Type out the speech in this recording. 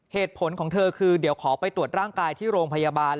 เหตุผลของเธอคือเดี๋ยวขอไปตรวจร่างกายที่โรงพยาบาล